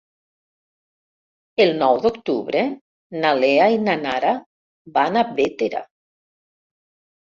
El nou d'octubre na Lea i na Nara van a Bétera.